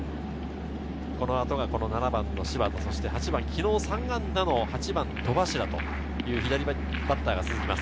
このあと７番の柴田、８番、昨日３安打の戸柱、左バッターが続きます。